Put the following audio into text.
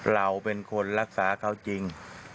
เราเป็นคนรักษาเขาจริง